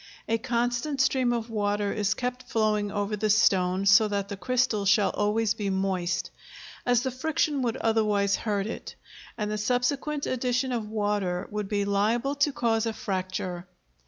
A constant stream of water is kept flowing over the stone so that the crystal shall always be moist, as the friction would otherwise hurt it, and the subsequent addition of water would be liable to cause a fracture.